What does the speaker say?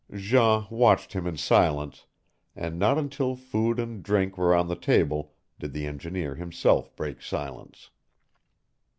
Jean watched him in silence, and not until food and drink were on the table did the engineer himself break silence.